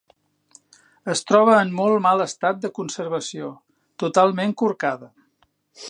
Es troba en molt mal estat de conservació, totalment corcada.